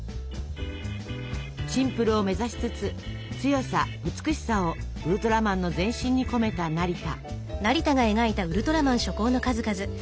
シンプルを目指しつつ強さ美しさをウルトラマンの全身に込めた成田。